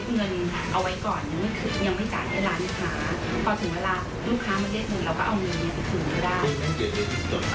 พอถึงเวลาลูกค้ามาเรียกเงินเราก็เอาเงินไปถึงได้